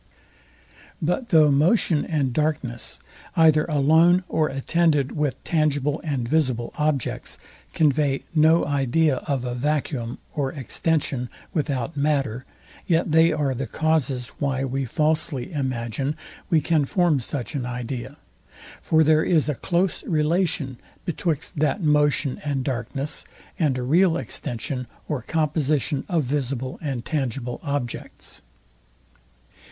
But though motion and darkness, either alone, or attended with tangible and visible objects, convey no idea of a vacuum or extension without matter, yet they are the causes why we falsly imagine we can form such an idea. For there is a close relation betwixt that motion and darkness, and a real extension, or composition of visible and tangible objects.